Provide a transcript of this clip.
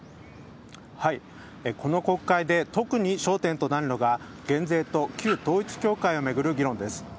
この国会で特に焦点となるのが減税と旧統一教会を巡る議論です。